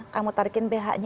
kamu tarikin bhg